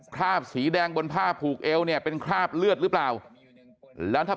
คราบสีแดงบนผ้าผูกเอวเนี่ยเป็นคราบเลือดหรือเปล่าแล้วถ้า